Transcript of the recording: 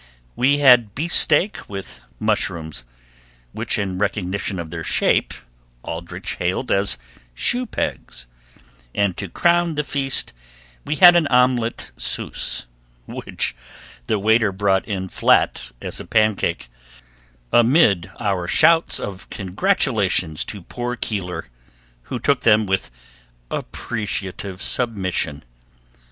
We had beefsteak with mushrooms, which in recognition of their shape Aldrich hailed as shoe pegs, and to crown the feast we had an omelette souse, which the waiter brought in as flat as a pancake, amid our shouts of congratulations to poor Keeler, who took them with appreciative submission.